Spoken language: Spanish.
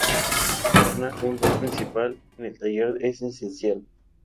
Ganar un rol principal en el taller es esencial.